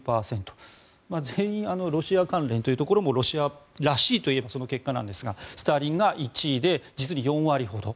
全員、ロシア関連というところもロシアらしいといえばその結果なんですがスターリンが１位で実に４割ほど。